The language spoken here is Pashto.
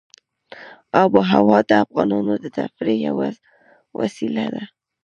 آب وهوا د افغانانو د تفریح یوه وسیله ده.